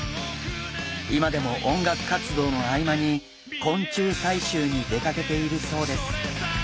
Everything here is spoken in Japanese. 今でも音楽活動の合間に昆虫採集に出かけているそうです。